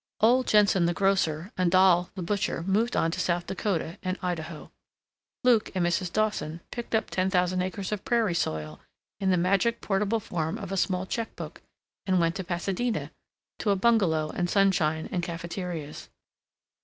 Ole Jenson the grocer and Dahl the butcher moved on to South Dakota and Idaho. Luke and Mrs. Dawson picked up ten thousand acres of prairie soil, in the magic portable form of a small check book, and went to Pasadena, to a bungalow and sunshine and cafeterias.